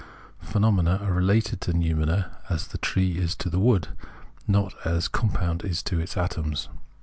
Phenomena are related to noumena as the trees to the wood, not as a compound to its atoms.